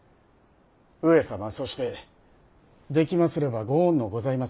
上様そしてできますれば御恩のございます